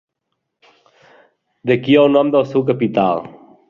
D'aquí el nom del seu capital: